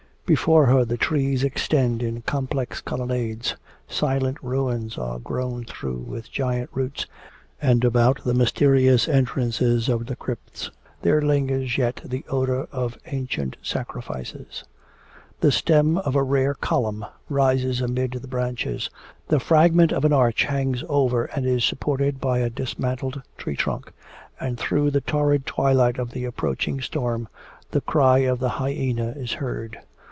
Before her the trees extend in complex colonnades, silent ruins are grown through with giant roots, and about the mysterious entrances of the crypts there lingers yet the odour of ancient sacrifices. The stem of a rare column rises amid the branches, the fragment of an arch hangs over and is supported by a dismantled tree trunk. And through the torrid twilight of the approaching storm the cry of the hyena is heard.